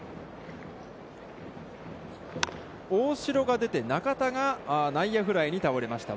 大城が出て中田が内野フライに倒れました。